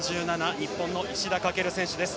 日本の石田駆選手です。